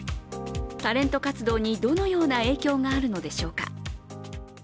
タレント活動にどのような影響があるのでしょうか。